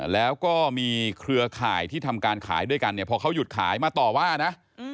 แล้วก็มีเครือข่ายที่ทำการขายด้วยกันเนี่ยพอเขาหยุดขายมาต่อว่านะ